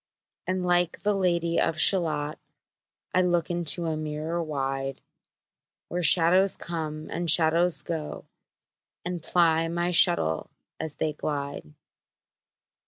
And like the Lady of Shalott I look into a mirror wide, Where shadows come, and shadows go, And ply my shuttle as they glide.